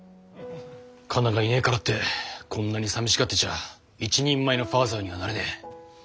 カナがいねえからってこんなに寂しがってちゃ一人前のファーザーにはなれねえ。